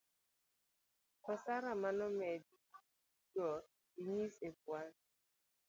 osara manomedi go inyis ekwan